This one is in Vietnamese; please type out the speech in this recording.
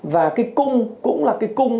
và cái cung cũng là cái cung